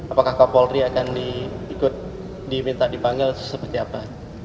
apakah kapolri akan ikut diminta dipanggil seperti apa